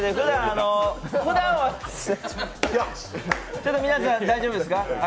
ちょっと皆さん、大丈夫ですか？